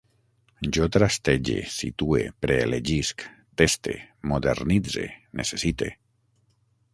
Jo trastege, situe, preelegisc, teste, modernitze, necessite